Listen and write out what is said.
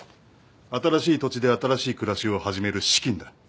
新しい土地で新しい暮らしを始める資金だ。